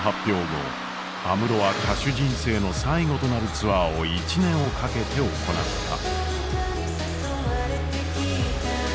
後安室は歌手人生の最後となるツアーを１年をかけて行った。